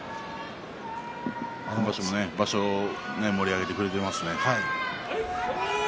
今場所は場所を盛り上げてくれていますね。